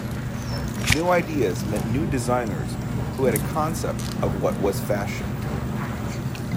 New ideas meant new designers who had a concept of what was fashion.